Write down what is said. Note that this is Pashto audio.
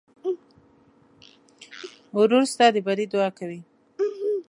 ورور ستا د بري دعا کوي.